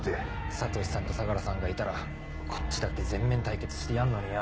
智司さんと相良さんがいたらこっちだって全面対決してやんのによ。